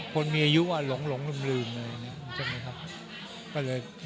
คนมีอายุอ่ะหลงลืมเลย